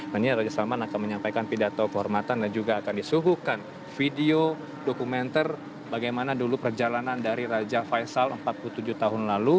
nanti raja salman akan menyampaikan pidato kehormatan dan juga akan disuhukan video dokumenter bagaimana dulu perjalanan dari raja faisal empat puluh tujuh tahun lalu